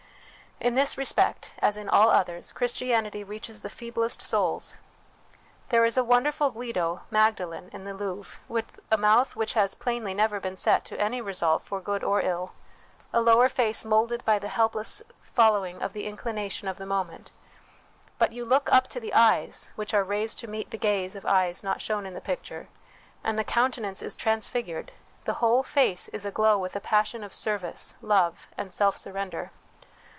In this respect, as in all others, Christianity reaches the feeblest souls. There is a wonderful Guido ' Magdalen ' in the Louvre, with a mouth which has plainly never been set to any resolve for good or ill a lower face moulded by the helpless following of the inclination of the moment ; but you look up to the eyes, which are raised to meet the gaze of eyes not shown in the picture, and the countenance is transfigured, the whole face is aglow with a passion of service, love, and self surrender.